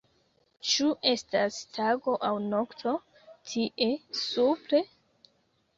Ĉu estas tago aŭ nokto, tie, supre?